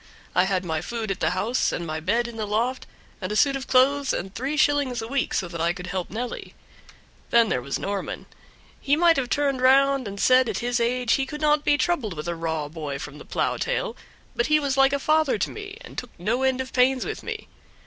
I had my food at the house and my bed in the loft, and a suit of clothes, and three shillings a week, so that I could help Nelly. Then there was Norman; he might have turned round and said at his age he could not be troubled with a raw boy from the plow tail, but he was like a father to me, and took no end of pains with me.